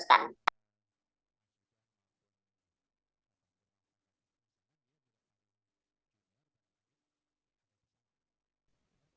ya tidak ada lulus kan